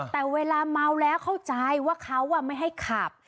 แต่เวลาเมาแล้วเข้าใจว่าเขาไม่ให้ขับ